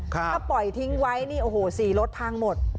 ถ้าปล่อยทิ้งไว้นี่โอ้โห๔รถพังหมด